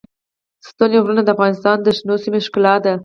ستوني غرونه د افغانستان د شنو سیمو ښکلا ده.